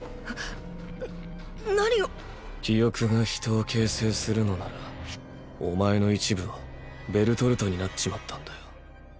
なッ何を⁉記憶が人を形成するのならお前の一部はベルトルトになっちまったんだよ。